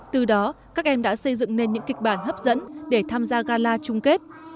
từ đó các em đã xây dựng nên những kịch bản hấp dẫn để tham gia gala chung kết